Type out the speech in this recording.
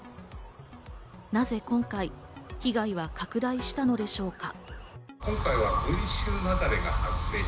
なぜ今回、被害は拡大したのでしょうか？